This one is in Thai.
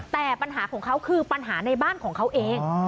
แต่ปัญหาของเขาคือปัญหาในบ้านของเขาเอง